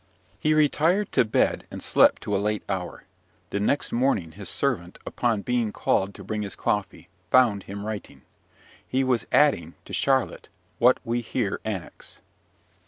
He retired to bed, and slept to a late hour. The next morning his servant, upon being called to bring his coffee, found him writing. He was adding, to Charlotte, what we here annex.